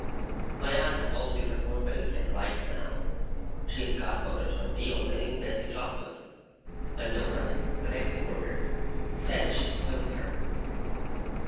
My aunt's old disappointment is set right, now. She is godmother to a real living Betsey Trotwood; and Dora (the next in order) says she spoils her.